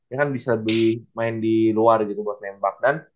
dia kan bisa lebih main di luar gitu buat nembak dan